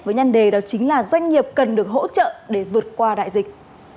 với nhân đề đó chính là doanh nghiệp cần được hỗ trợ để vượt qua đại dịch